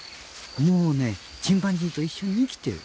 もうチンパンジーと一緒に生きている。